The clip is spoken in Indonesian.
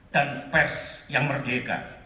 dan pers yang merdeka